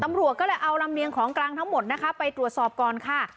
ตำรวจก็เลยเอาลำเนียงของกลางทั้งหมดนะคะไปตรวจสอบก่อนค่ะ